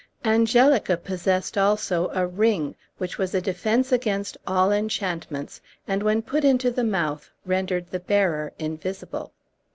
Angelica possessed also a ring which was a defence against all enchantments, and when put into the mouth rendered the bearer invisible.